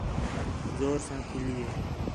زور ساں کِھلّی ہے